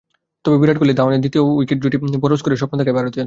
তবে বিরাট কোহলি ধাওয়ানের দ্বিতীয় উইকেট জুটি বড় স্কোরের স্বপ্ন দেখায় ভারতীয়দের।